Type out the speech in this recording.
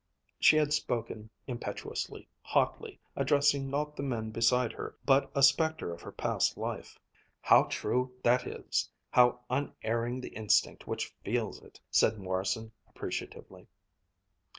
She had spoken impetuously, hotly, addressing not the men beside her but a specter of her past life. "How true that is how unerring the instinct which feels it!" said Morrison appreciatively.